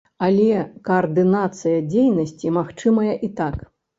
Але каардынацыя дзейнасці магчымая і так.